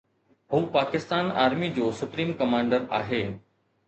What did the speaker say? هو پاڪستان آرمي جو supreme commander آهي.